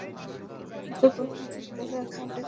একটা প্রশ্ন করতে চাই আপনাদের, সৎভাবে উত্তর দিবেন।